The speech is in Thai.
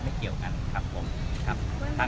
ไม่ใช่นี่คือบ้านของคนที่เคยดื่มอยู่หรือเปล่า